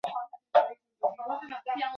后来转赴苏联学习。